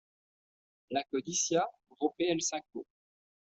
La codicia rompe el saco.